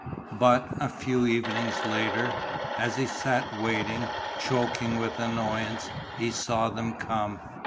But, a few evenings later, as he sat waiting, choking with annoyance, he saw them come.